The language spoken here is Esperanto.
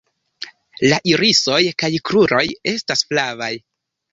La irisoj kaj kruroj estas flavaj.